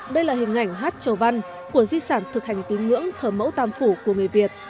đây là hình ảnh hát trầu văn của di sản thực hành tín ngưỡng thờ mẫu tam phủ của người việt